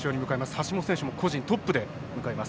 橋本選手も個人トップで向かいます。